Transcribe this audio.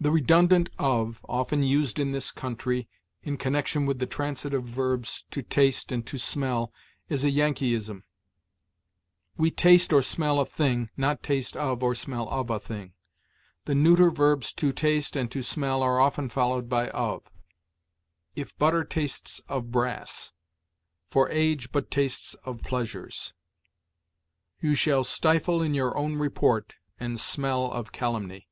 The redundant of, often used, in this country, in connection with the transitive verbs to taste and to smell, is a Yankeeism. We taste or smell a thing, not taste of nor smell of a thing. The neuter verbs to taste and to smell are often followed by of. "If butter tastes of brass." "For age but tastes of pleasures." "You shall stifle in your own report, and smell of calumny."